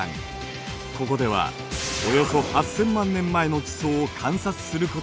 ここではおよそ８，０００万年前の地層を観察することができる。